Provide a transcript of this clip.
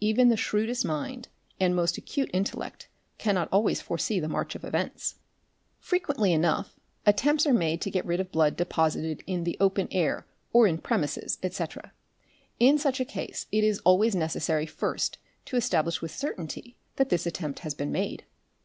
ven the shrewdest mind and most acute intellect cannot always foresee the march of events. Frequently enough attempts are made to get rid of blood deposited in the open air or in premises ®®), etc. ; in such a case it is always necessary first to establish with certainty that this attempt has been made.